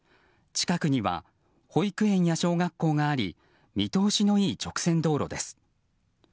近くには保育園や小学校があり見通しのいい直線道路です。